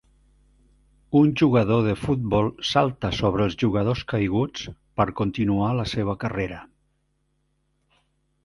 Un jugador de futbol salta sobre els jugadors caiguts per continuar la seva carrera